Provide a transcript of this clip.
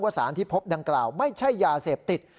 สารที่พบดังกล่าวไม่ใช่ยาเสพติด